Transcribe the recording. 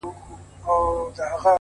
يې په ملا باندې درانه لفظونه نه ايږدمه;